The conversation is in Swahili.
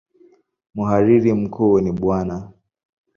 Mhariri mkuu ni Bw.